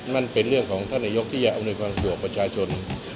นั่นเป็นเรื่องของท่านนายกที่จะอำนวยความสะดวกประชาชน